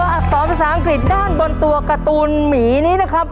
อักษรภาษาอังกฤษด้านบนตัวการ์ตูนหมีนี้นะครับ